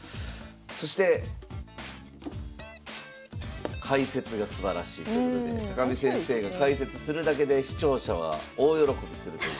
そして解説がすばらしいということで見先生が解説するだけで視聴者は大喜びするという。